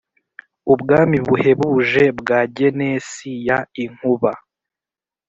ubwami buhebuje bwa genesi ya inkuba.